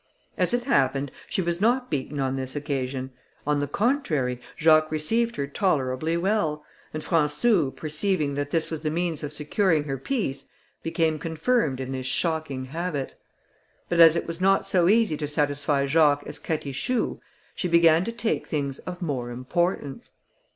As it happened, she was not beaten on this occasion; on the contrary, Jacques received her tolerably well, and Françou perceiving that this was the means of securing her peace, became confirmed in this shocking habit. But as it was not so easy to satisfy Jacques as Catichou, she began to take things of more importance.